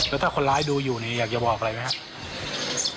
แล้วถ้าคนร้ายดูอยู่นี่อยากจะบอกอะไรไหมครับ